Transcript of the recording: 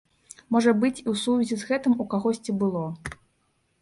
Можа быць, і ў сувязі з гэтым у кагосьці было.